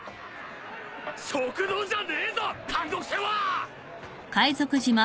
食堂じゃねえぞ監獄船は！